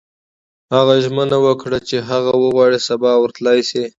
هغه ژمنه وکړه چې که هغه وغواړي سبا ورتلای شي